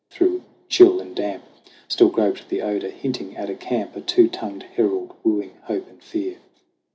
Through chill and damp Still groped the odor, hinting at a camp, A two tongued herald wooing hope and fear.